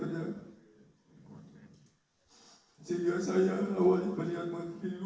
sehingga saya awalnya beri amat rindu